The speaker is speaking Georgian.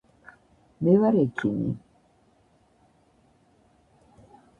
მე ვარ ექიმი